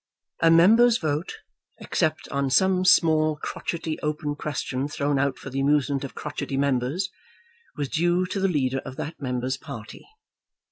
A member's vote, except on some small crotchety open question thrown out for the amusement of crotchety members, was due to the leader of that member's party.